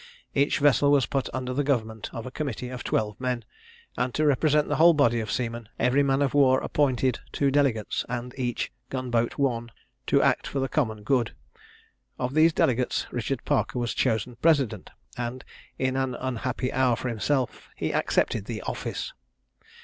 Each vessel was put under the government of a committee of twelve men, and, to represent the whole body of seamen, every man of war appointed two delegates, and each gun boat one, to act for the common good. Of these delegates Richard Parker was chosen president, and, in an unhappy hour for himself, he accepted the office.